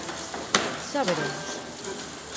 Xa veremos.